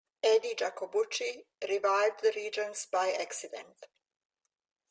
Eddie Jacobucci revived the Regents by accident.